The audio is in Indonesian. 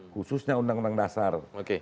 khususnya undang undang dasar